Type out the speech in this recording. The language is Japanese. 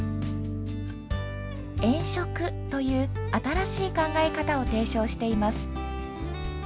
「縁食」という新しい考え方を提唱しています。